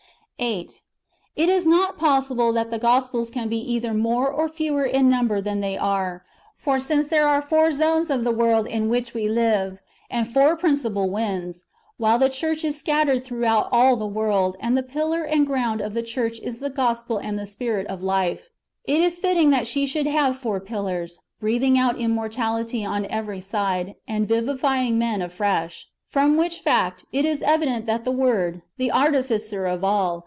8. It is not possible that the Gospels can be either more or fewer in number than they are. For, since there are four zones of the world in which we live, and four principal winds,^ w^hile the church is scattered throughout all the world, and the ^'pillar and ground"'" of the church is the gospel and the spirit of life; it is fitting that she sliould have four pillars, breathing out im mortality on every side, and vivifying men afresh. From which fact, it is evident that the Word, the Artificer of all.